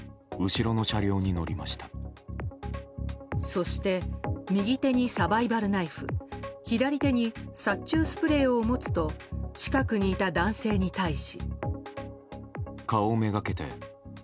そして右手にサバイバルナイフ左手に殺虫スプレーを持つと近くにいた男性に対し。